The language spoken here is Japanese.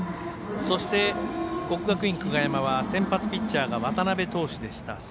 そして、国学院久我山は先発ピッチャーが渡邊投手でした。